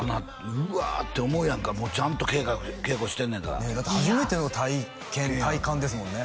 うわって思うやんかもうちゃんと稽古してんねんやからだって初めての体験体感ですもんね